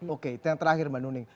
oke itu yang terakhir mbak nuning